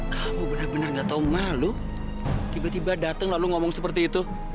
kamu benar benar gak tau malu tiba tiba datang lalu ngomong seperti itu